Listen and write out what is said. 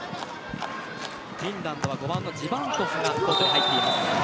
フィンランドは５番のジバンコフが入っています。